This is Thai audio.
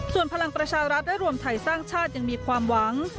ส่วนพลังประชารัฐและรวมไทยสร้างชาติยังมีความหวัง